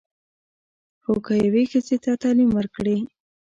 خو که یوې ښځې ته تعلیم ورکړې.